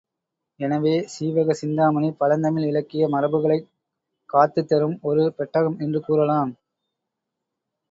எனவே சீவக சிந்தாமணி பழந்தமிழ் இலக்கிய மரபுகளைக் காத்துத்தரும் ஒரு பெட்டகம் என்று கூறலாம்.